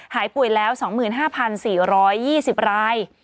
หายป่วยแล้ว๒๕๔๒๐ราย